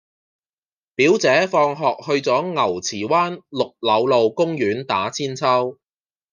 表姐放學去左牛池灣綠柳路公園打韆鞦